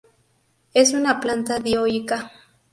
Es una planta dioica.